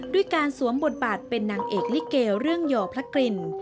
ด้วยการสวมบทบาทเป็นนางเอกลิเกเรื่องหย่อพระกลิ่น